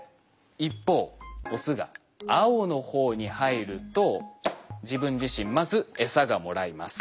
一方オスが青の方に入ると自分自身まずエサがもらえます。